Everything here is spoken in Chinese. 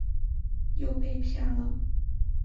又被骗了